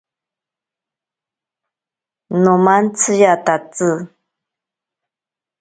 Nomantsiyatatsi.